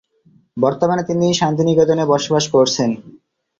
বর্তমানে তিনি শান্তিনিকেতনে বসবাস করছেন।